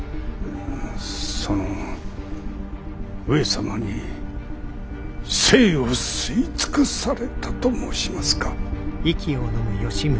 その上様に精を吸い尽くされたと申しますか。